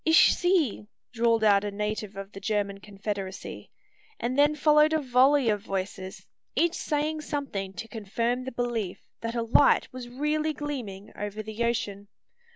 "Ich sehe!" drawled out a native of the German Confederacy; and then followed a volley of voices, each saying something to confirm the belief that a light was really gleaming over the ocean.